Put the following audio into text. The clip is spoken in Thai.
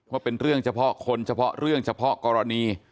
ว่าเป็นเรื่องเฉพาะคนเฉพาะเรื่องเฉพาะกรณี